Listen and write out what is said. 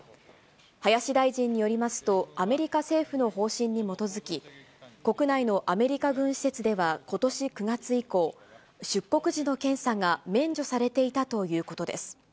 林大臣によりますと、アメリカ政府の方針に基づき、国内のアメリカ軍施設ではことし９月以降、出国時の検査が免除されていたということです。